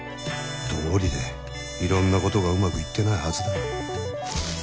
どうりでいろんなことがうまくいってないはずだ。